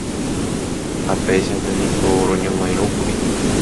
Ha péichante niko roñomoirũkuri.